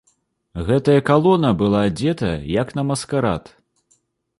Гэтая калона была адзета, як на маскарад.